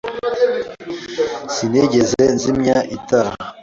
Sinigeze nzimya itara.